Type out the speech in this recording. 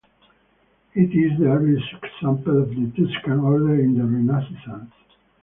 It is the earliest example of the Tuscan order in the Renaissance.